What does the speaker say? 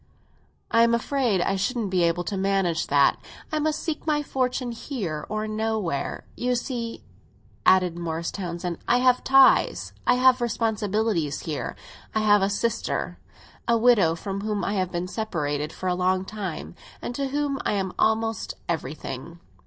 "I am afraid I shouldn't be able to manage that. I must seek my fortune here or nowhere. You see," added Morris Townsend, "I have ties—I have responsibilities here. I have a sister, a widow, from whom I have been separated for a long time, and to whom I am almost everything.